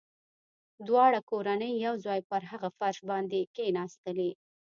دواړه کورنۍ يو ځای پر هغه فرش باندې کښېناستلې.